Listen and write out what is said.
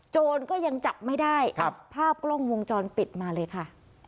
โจรก็ยังจับไม่ได้ภาพกล้องวงจรปิดมาเลยค่ะ